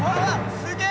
すげえ！